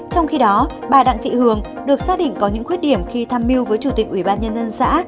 trong khi đó bà đặng thị hường được xác định có những khuyết điểm khi tham mưu với chủ tịch ủy ban nhân dân xã